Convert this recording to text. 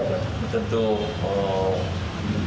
tentu menerima mendengarkan semua